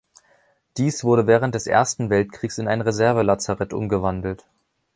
Dies wurde während des Ersten Weltkriegs in ein Reservelazarett umgewandelt.